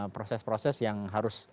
proses proses yang harus